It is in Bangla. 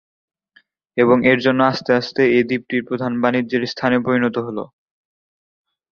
এবং এর জন্য আস্তে আস্তে এই দ্বীপটি প্রধাণ বাণিজ্যের স্থানে পরিণত হল।